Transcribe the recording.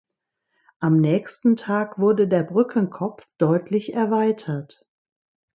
Am nächsten Tag wurde der Brückenkopf deutlich erweitert.